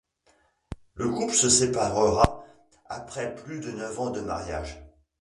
Le couple se séparera après plus de neuf ans de mariage.